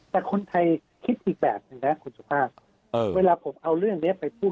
แต่คนไทยคิดอีกแบบหนึ่งนะคุณสุภาพเวลาผมเอาเรื่องนี้ไปพูด